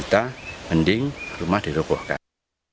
kita harus berusaha untuk memperbaiki rumah ini